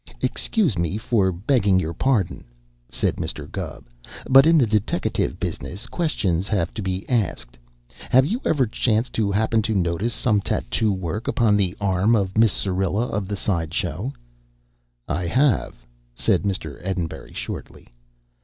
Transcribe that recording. "Excuse me for begging your pardon," said Mr. Gubb, "but in the deteckative business questions have to be asked. Have you ever chanced to happen to notice some tattoo work upon the arm of Miss Syrilla of this side show?" "I have," said Mr. Enderbury shortly.